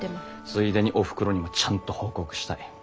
ついでにおふくろにもちゃんと報告したい。